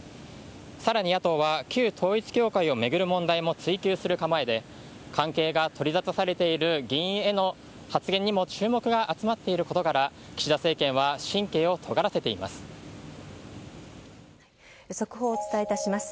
さらに野党は旧統一教会を巡る問題も追及する構えで関係が取りざたされている議員への発言にも注目が集まっていることから岸田政権は速報をお伝えいたします。